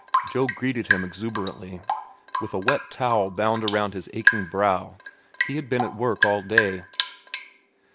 Joe greeted him exuberantly. With a wet towel bound about his aching brow, he had been at work all day.